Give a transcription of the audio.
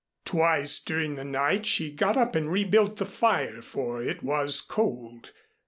Twice during the night she got up and rebuilt the fire, for it was cold.